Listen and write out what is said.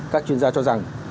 các chuyên gia cho rằng